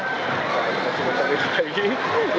terima kasih pak edi